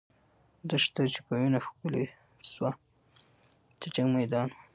دښته چې په وینو ښکلې سوه، د جنګ میدان وو.